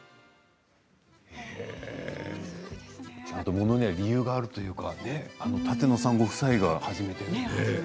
ちゃんとものには理由があるというか舘野さんご夫妻が始めて。